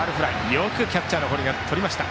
よくキャッチャーの堀がとりました。